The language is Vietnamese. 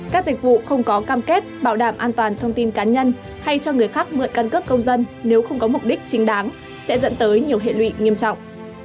các dịch vụ không có cam kết bảo đảm an toàn thông tin cá nhân hay cho người khác mượn căn cước công dân nếu không có mục đích chính đáng sẽ dẫn tới nhiều hệ lụy nghiêm trọng